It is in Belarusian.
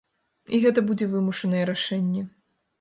І гэта будзе вымушанае рашэнне.